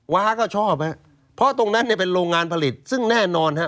ว้าก็ชอบฮะเพราะตรงนั้นเนี่ยเป็นโรงงานผลิตซึ่งแน่นอนฮะ